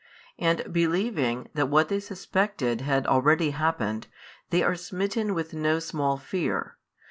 And believing that what they suspected had already happened, they are smitten with no small fear.